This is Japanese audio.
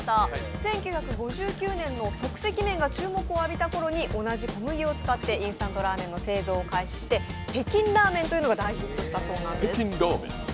１９５９年の即席麺が注目を浴びたので同じ小麦を使ってインスタントラーメンの製造を開始して北京ラーメンというのが大ヒットしたそうです。